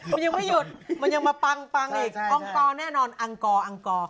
มันยังไม่หยุดมันยังมาปังปังอีกองค์กรแน่นอนอังกออังกอ